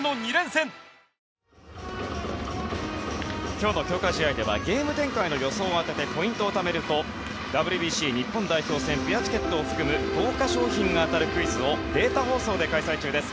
今日の強化試合ではゲーム展開の予想を当ててポイントをためるとＷＢＣ日本代表戦ペアチケットを含む豪華賞品が当たるクイズをデータ放送で開催中です。